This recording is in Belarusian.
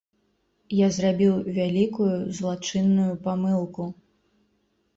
Я зрабіў вялікую злачынную памылку.